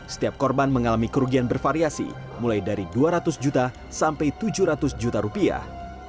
setiap korban mengalami kerugian bervariasi mulai dari dua ratus juta sampai tujuh ratus juta rupiah